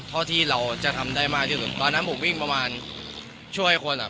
เท่าที่เราจะทำได้มากที่สุดตอนนั้นผมวิ่งประมาณช่วยคนอ่ะ